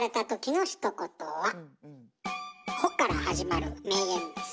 「ほ」から始まる名言です。